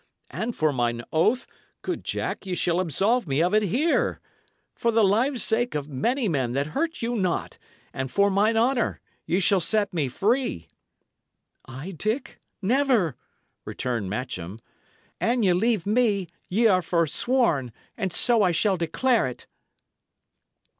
And for mine oath, good Jack, ye shall absolve me of it here. For the lives' sake of many men that hurt you not, and for mine honour, ye shall set me free." "I, Dick? Never!" returned Matcham. "An ye leave me, y' are forsworn, and so I shall declare it."